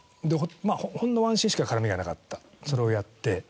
ほんのワンシーンしか絡みがなかったそれをやって。